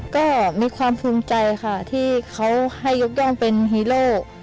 ก็มีความภูมิใจค่ะที่เขาให้ยกย่องเป็นฮีโร่